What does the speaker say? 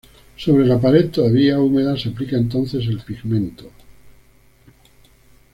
Sobre la pared todavía húmeda se aplica entonces el pigmento.